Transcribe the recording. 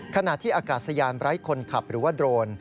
ขณะที่อากาศยานไร้คนขับหรือว่าโดรน